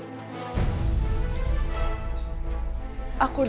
aku gak peduli